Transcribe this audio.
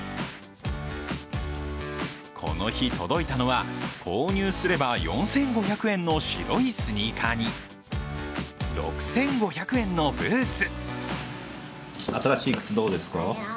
この日届いたのは、購入すれば４５００円の白いスニーカーに６５００円のブーツ。